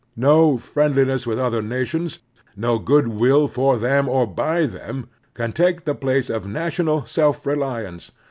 No friendliness with other nations, no good will for them or by them, can take the place of national self reliance.